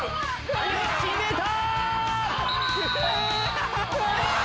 決めた！